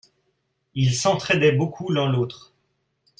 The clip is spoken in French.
Ils s'entraidaient beaucoup l'un l'autre.